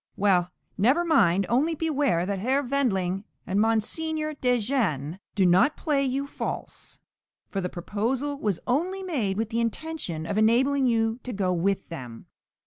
Well, never mind, only beware that Herr Wendling and Mons. de Jean do not play you false, for the proposal was only made with the intention of enabling you to go with them.